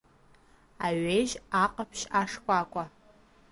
Аҩежь, аҟаԥшь, ашкәакәа!